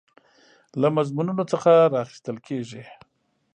له مضمونونو څخه راخیستل کیږي.